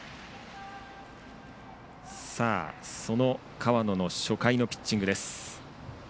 河野の初回のピッチングです。